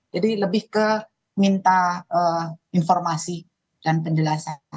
jadi lebih ke minta informasi dan penjelasan